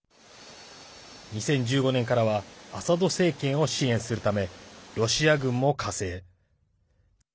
２０１５年からは、アサド政権を支援するためロシア軍も加勢。